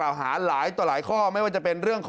อาวาสมีการฝังมุกอาวาสมีการฝังมุกอาวาสมีการฝังมุก